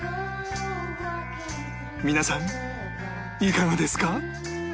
皆さんいかがですか？